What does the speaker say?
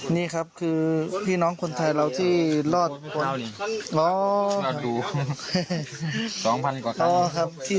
นี่ครับคือพี่น้องคนไทยเราที่